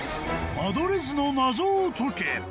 間取り図の謎を解け！